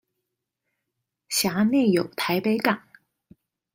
轄內有臺北港